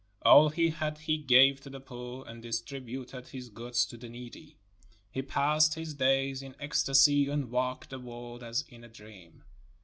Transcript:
All he had he gave to the poor., and distributed his goods to the needy. He passed his days in ecstasy and walked the world as in a dream.